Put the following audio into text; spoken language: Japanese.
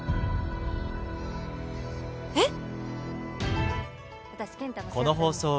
えっ！？